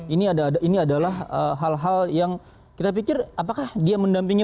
ini adalah hal hal yang kita pikir apakah dia mendampingi